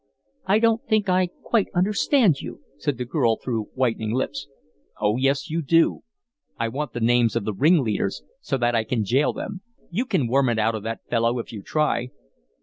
"I don't think I quite understand you," said the girl, through whitening lips. "Oh yes, you do. I want the names of the ring leaders, so that I can jail them. You can worm it out of that fellow if you try."